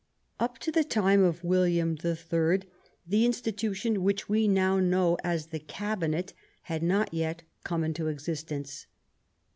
Up to the time of William the Third the institution which we now know as the cabinet had not come into existence.